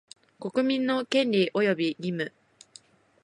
国民の権利及び義務